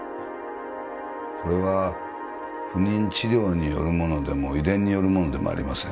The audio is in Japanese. これは不妊治療によるものでも遺伝によるものでもありません